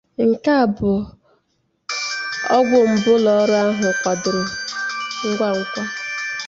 Nkea by ọgwụ mbụ ụlọọrụ ahụ kwadoro ngwangwa